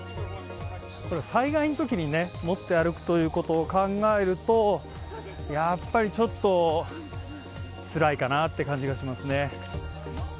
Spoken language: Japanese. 災害のときに持って歩くということを考えるとやっぱりちょっとつらいかなって感じがしますね。